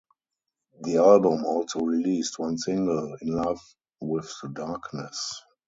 The album also released one single, "In Love with the Darkness".